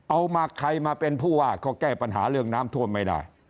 เอามาใครมาเป็นผู้ว่าก็แก้ปัญหาเรื่องน้ำท่วมไม่ได้